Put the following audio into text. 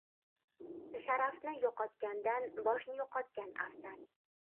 • Sharafni yo‘qotgandan boshni yo‘qotgan afzal.